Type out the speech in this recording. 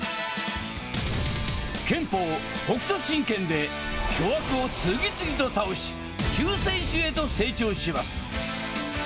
拳法北斗神拳で巨悪を次々と倒し、救世主へと成長します。